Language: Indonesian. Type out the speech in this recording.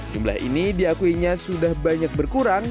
jumlah ini diakuinya sudah banyak berkurang